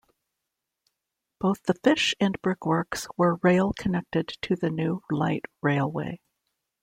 Both the fish and brick works were rail connected to the new light railway.